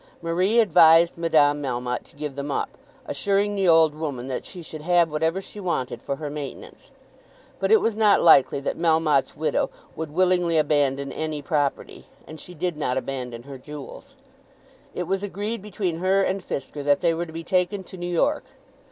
Marie advised Madame Melmotte to give them up, assuring the old woman that she should have whatever she wanted for her maintenance. But it was not likely that Melmotte's widow would willingly abandon any property, and she did not abandon her jewels. It was agreed between her and Fisker that they were to be taken to New York.